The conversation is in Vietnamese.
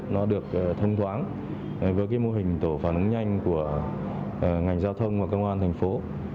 nó được thông thoáng với mô hình tổ phản ứng nhanh của ngành giao thông và cơ quan thành phố